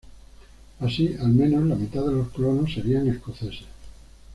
Así, al menos la mitad de los colonos serían escoceses.